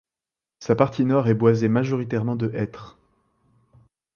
Sa partie Nord est boisée majoritairement de hêtres.